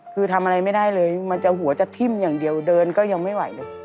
คือทำอะไรไม่ได้เลยมันจะหัวจะทิ่มอย่างเดียวเดินก็ยังไม่ไหวเลย